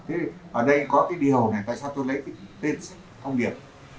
thế thì ở đây có cái điều này tại sao tôi lấy cái tên thông điệp